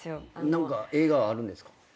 何か映画あるんですか？